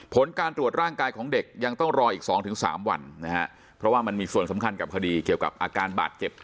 ผลการตรวจร่างกายของเด็กยังต้องรออีก๒๓วันนะฮะเพราะว่ามันมีส่วนสำคัญกับคดีเกี่ยวกับอาการบาดเจ็บ